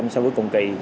so với cùng kỳ năm trước